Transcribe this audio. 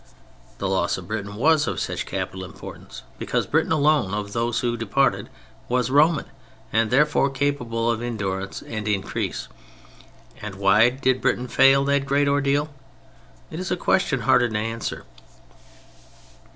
The loss of Britain was of such capital importance because Britain alone of those who departed, was Roman, and therefore capable of endurance and increase. And why did Britain fail in that great ordeal? It is a question harder to answer.